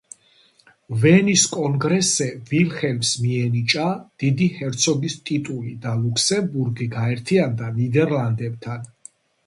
ვენის კონგრესზე ვილჰელმს მიენიჭა დიდი ჰერცოგის ტიტული და ლუქსემბურგი გაერთიანდა ნიდერლანდებთან.